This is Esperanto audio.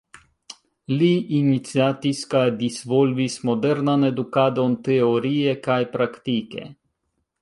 Li iniciatis kaj disvolvis modernan edukadon teorie kaj praktike.